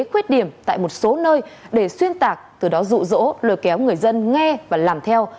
khuyết điểm tại một số nơi để xuyên tạc từ đó rụ rỗ lôi kéo người dân nghe và làm theo